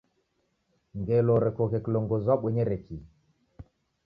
Ngelo orekoghe kilongozi wabonyere kii?